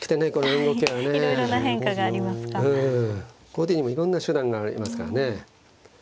後手にもいろんな手段がありますからね。